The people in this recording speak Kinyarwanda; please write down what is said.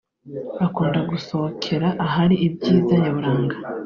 ukunda gusohokera ahari ibyiza nyaburanga